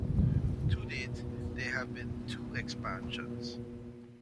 To date, there have been two expansions.